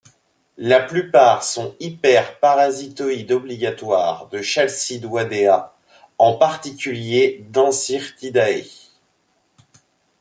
La plupart sont hyperparasitoïdes obligatoire de Chalcidoidea, en particulier d'Encyrtidae.